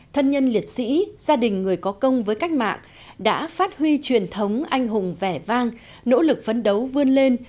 thân nhân liệt sĩ gia đình người có công với cách mạng đã phát huy truyền thống anh hùng vẻ vang nỗ lực phấn đấu vươn lên